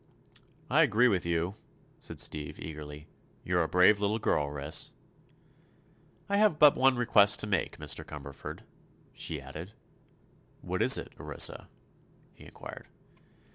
"I agree with you," said Steve, eagerly. "You're a brave little girl, Ris." "I have but one request to make, Mr. Cumberford," she added. "What is it, Orissa?" he inquired.